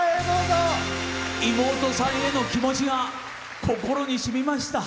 妹さんへの気持ちが心にしみました。